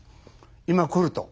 今来ると。